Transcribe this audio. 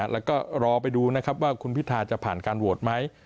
แล้วก็รอไปดูนะครับว่าคุณพิทาจะผ่านการโหวตไหม